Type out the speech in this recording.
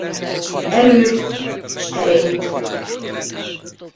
Erőt s Erényt!